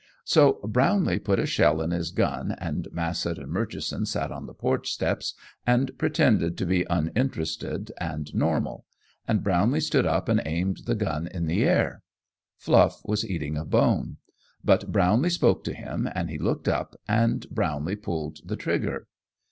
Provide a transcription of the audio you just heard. So Brownlee put a shell in his gun and Mas sett and Murchison sat on the porch steps and pretended to be uninterested and normal, and Brownlee stood up and aimed the gun in the air. Fluff was eating a bone, but Brownlee spoke to him and he looked up, and Brownlee pulled the trigger.